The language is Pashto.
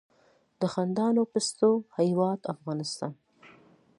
د خندانو پستو هیواد افغانستان.